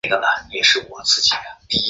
然前者却因专利与商标问题被迫更名。